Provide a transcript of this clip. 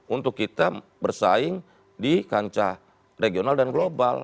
untuk kita bersaing di kancah regional dan global